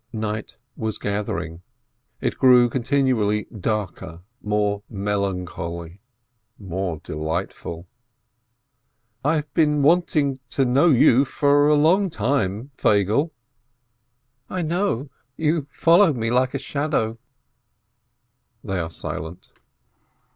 Night was gathering, it grew continually darker, more melancholy, more delightful. "I have been wanting to know you for a long time, Feigele." "I know. You followed me like a shadow." A SIMPLE STORY 497 They are silent.